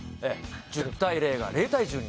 １０対０が、０対１０に。